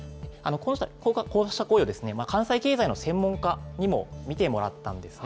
こうした声を関西経済の専門家にも見てもらったんですね。